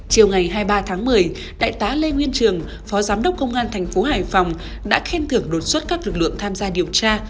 chiều ngày hai mươi ba tháng một mươi đại tá lê nguyên trường phó giám đốc công an thành phố hải phòng đã khen thưởng đột xuất các lực lượng tham gia điều tra